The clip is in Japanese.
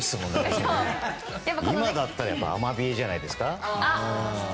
今だったらアマビエじゃないですか？